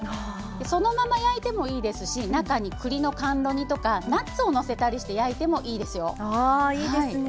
そのまま焼いてもいいですし中に、くりの甘露煮とかナッツをのせたりして焼いてもいいですよ。